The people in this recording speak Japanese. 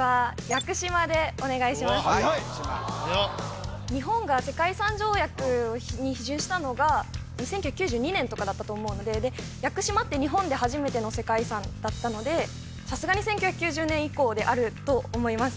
はやい日本が世界遺産条約に批准したのが１９９２年とかだったと思うのでで屋久島って日本で初めての世界遺産だったのでさすがに１９９０年以降であると思います